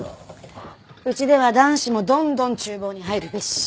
うちでは男子もどんどん厨房に入るべし！